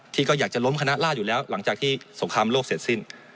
ที่ก็อยากจะล้มคณะราชอยู่แล้วหลังจากที่สงครามโลกเสร็จสิ้น